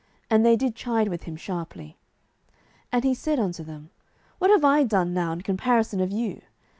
And they did chide with him sharply. 07:008:002 And he said unto them, What have I done now in comparison of you?